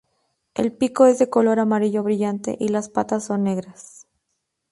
El pico es de color amarillo brillante y las patas son negras.